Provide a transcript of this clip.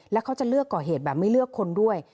แล้วเขาจะเลือกก่อเหตุแบบไม่เลือกคนด้วย